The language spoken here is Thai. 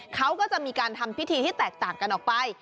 เขาก็จะมีการทำพิธีที่แตกต่างกันออกไป